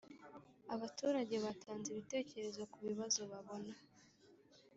Abaturage batanze ibitekerezo ku bibazo babona